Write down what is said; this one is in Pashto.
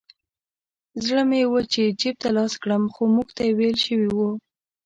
زړه مې و چې جیب ته لاس کړم خو موږ ته ویل شوي وو.